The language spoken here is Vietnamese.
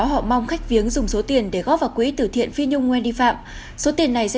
họ mong khách viếng dùng số tiền để góp vào quỹ tử thiện phi nhung wendy phạm số tiền này sẽ